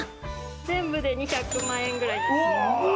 全部で２００万円くらいです。